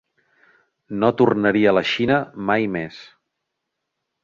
No tornaria a la Xina mai més.